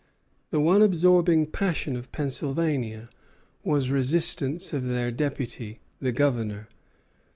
The one absorbing passion of Pennsylvania was resistance to their deputy, the Governor.